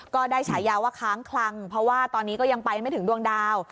ฉายาว่าค้างคลังเพราะว่าตอนนี้ก็ยังไปไม่ถึงดวงดาว